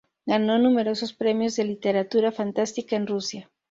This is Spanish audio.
Ganó numerosos premios de literatura fantástica en Rusia.